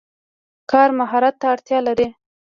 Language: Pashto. کار مهارت ته اړتیا لري.